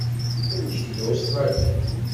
Amek tga Ustṛalya?